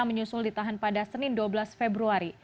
menyusul ditahan pada senin dua belas februari